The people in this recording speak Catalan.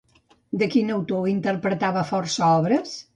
De quin autor interpretava força obres?